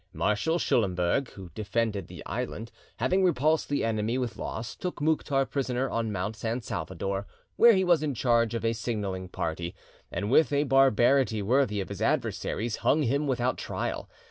Marshal Schullemburg, who defended the island, having repulsed the enemy with loss, took Mouktar prisoner on Mount San Salvador, where he was in charge of a signalling party, and with a barbarity worthy of his adversaries, hung him without trial.